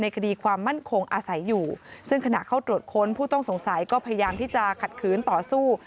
คดีความมั่นคงอาศัยอยู่ซึ่งขณะเข้าตรวจค้นผู้ต้องสงสัยก็พยายามที่จะขัดขืนต่อสู้